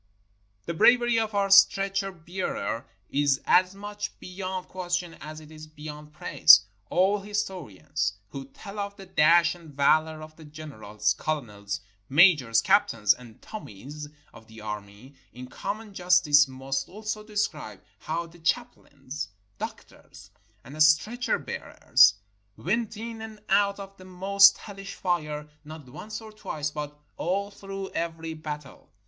The bravery of our stretcher bearers is as much be yond question as it is beyond praise. All historians who tell of the dash and valor of the generals, colonels, ma jors, captains, and "Tommies" of the army, in common justice must also describe how the chaplains, doctors, and stretcher bearers went in and out of the most hellish fire, not once or twice, but all through every battle.